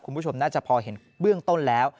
คุณผู้ชมน่าจะพอเห็นเบื้องต้นแล้ว